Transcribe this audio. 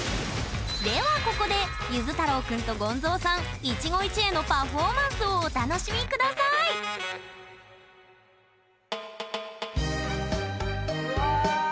ではここでゆず太郎くんとゴンゾーさん一期一会のパフォーマンスをお楽しみ下さい！うわ。